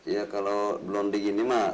ya kalau belum di kini mah